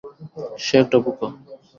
সে একটা বোকা।